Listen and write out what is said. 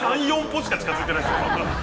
３４歩しか近づいてない。